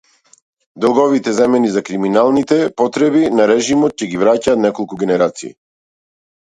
Долговите земени за криминалните потреби на режимот ќе ги враќаат неколку генерации.